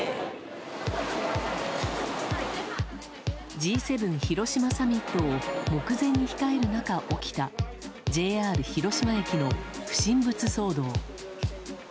Ｇ７広島サミットを目前に控える中、起きたＪＲ広島駅の不審物騒動。